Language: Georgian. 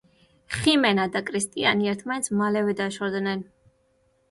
ხიმენა და კრისტიანი ერთმანეთს მალევე დაშორდნენ.